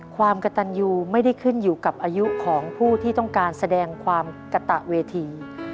ความกระตันยูไม่ได้ขึ้นอยู่กับอายุของผู้ที่ต้องการแสดงความกระตะเวที